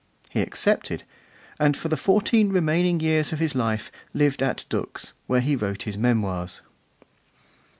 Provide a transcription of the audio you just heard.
He accepted, and for the fourteen remaining years of his life lived at Dux, where he wrote his Memoirs.